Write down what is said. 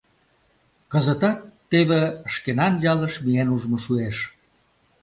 Кызытат теве шкенан ялыш миен ужмо шуэш.